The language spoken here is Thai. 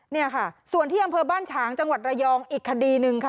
นี่ค่ะส่วนที่อำเภอบ้านฉางจังหวัดระยองอีกคดีหนึ่งค่ะ